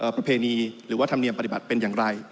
ประเพณีหรือว่าธรรมเนียมปฏิบัติเป็นอย่างไร